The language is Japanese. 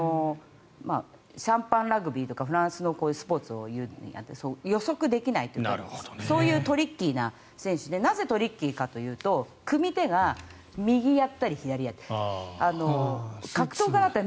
シャンパンラグビーとかフランスのスポーツを言うように予測できないというかそういうトリッキーな選手でなぜトリッキーかというと組み手が右でやったり左でやったり。